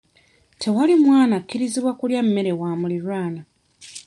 Tewali mwana akkirizibwa kulya mmere wa muliraanwa.